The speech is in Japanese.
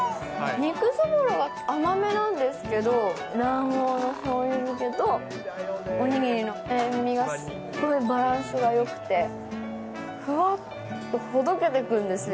肉そぼろが甘めなんですけど、卵黄のしょうゆ漬けと、おにぎりの塩味がすっごいバランスがよくて、ふわっとほどけてくんですよ。